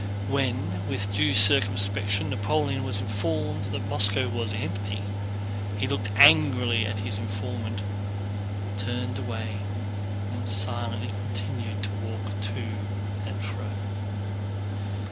When with due circumspection Napoleon was informed that Moscow was empty, he looked angrily at his informant, turned away, and silently continued to walk to and fro.